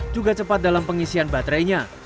juga cepat dalam pengisian baterainya